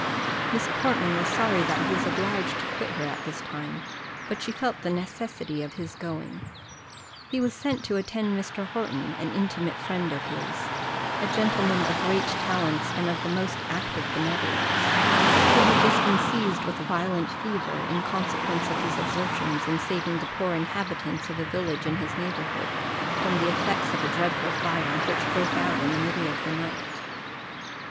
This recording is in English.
Miss Portman was sorry that he was obliged to quit her at this time, but she felt the necessity for his going; he was sent for to attend Mr. Horton, an intimate friend of his, a gentleman of great talents, and of the most active benevolence, who had just been seized with a violent fever, in consequence of his exertions in saving the poor inhabitants of a village in his neighbourhood from the effects of a dreadful fire, which broke out in the middle of the night.